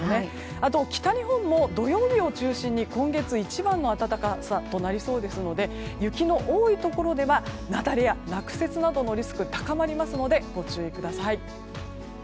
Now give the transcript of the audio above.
あと、北日本も土曜日を中心に今月一番の暖かさとなりそうですので雪の多いところでは雪崩や落雪などのリスクが高まりますのでご注意ください。